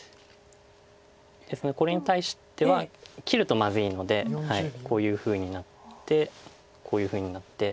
ですのでこれに対しては切るとまずいのでこういうふうになってこういうふうになって。